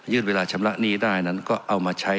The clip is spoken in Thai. เวลาชำระหนี้ได้นั้นก็เอามาใช้